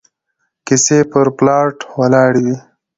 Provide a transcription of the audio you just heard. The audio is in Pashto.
کيسې پر پلاټ ولاړې وي